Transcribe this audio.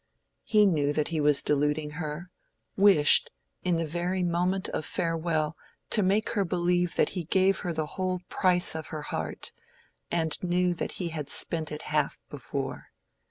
He knew that he was deluding her—wished, in the very moment of farewell, to make her believe that he gave her the whole price of her heart, and knew that he had spent it half before.